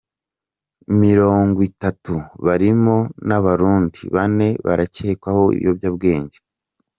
Mirongwitatu barimo n’Abarundi bane barakekwaho ibiyobyabwenge